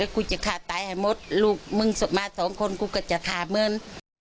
แล้วกูจะขาดตายใหม่หมดลูกมึงมาสองคนกูก็จะค่าเมิน